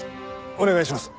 お願いします。